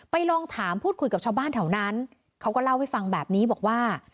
ลองถามพูดคุยกับชาวบ้านแถวนั้นเขาก็เล่าให้ฟังแบบนี้บอกว่า